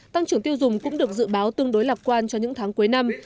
tăng trưởng tiêu dùng cũng được dự báo tương đối lạc quan cho những tháng cuối năm